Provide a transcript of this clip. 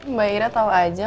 mbak ira tau aja